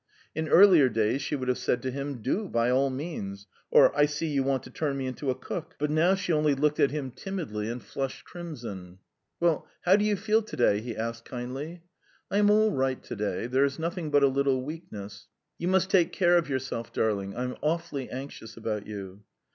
In earlier days she would have said to him, "Do by all means," or, "I see you want to turn me into a cook"; but now she only looked at him timidly and flushed crimson. "Well, how do you feel to day?" he asked kindly. "I am all right to day. There is nothing but a little weakness." "You must take care of yourself, darling. I am awfully anxious about you."